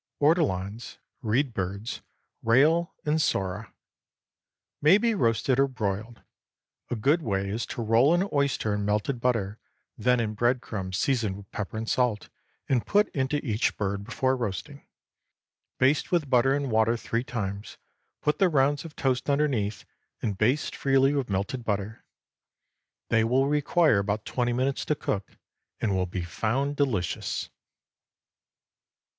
ORTOLANS, REED BIRDS, RAIL, AND SORA may be roasted or broiled. A good way is to roll an oyster in melted butter, then in bread crumbs seasoned with pepper and salt, and put into each bird before roasting. Baste with butter and water three times, put the rounds of toast underneath, and baste freely with melted butter. They will require about twenty minutes to cook, and will be found delicious.